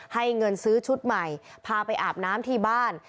ให้เงินซื้อชุดใหม่พาไปอาบน้ำที่บ้าน